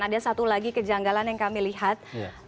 ada satu lagi kejanggalan yang kami lihat